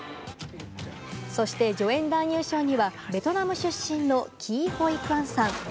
助演男優賞にはベトナム出身のキー・ホイ・クァンさん。